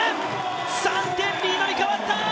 ３点リードに変わった！